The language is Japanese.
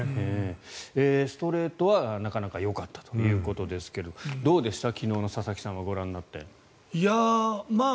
ストレートはなかなかよかったということですがどうでした、昨日の佐々木さんはご覧になって。